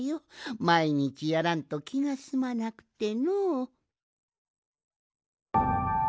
まいにちやらんときがすまなくてのう。